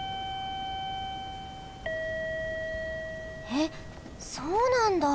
えっそうなんだ！